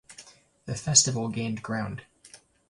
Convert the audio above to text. The festival gained ground.